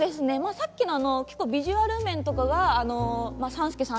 さっきの結構ビジュアル面とかが３助さん